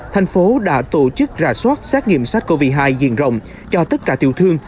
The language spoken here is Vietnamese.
thành phố đã tổ chức rà soát xét nghiệm sát covid một mươi chín diện rộng cho tất cả tiểu thương